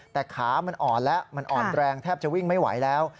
แต่ขามันอ่อนแล้วมันอ่อนแรงแทบจะวิ่งไม่ไหวแล้ว